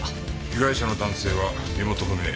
被害者の男性は身元不明。